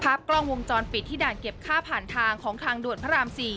กล้องวงจรปิดที่ด่านเก็บค่าผ่านทางของทางด่วนพระราม๔